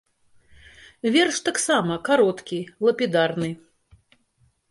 Верш таксама кароткі, лапідарны.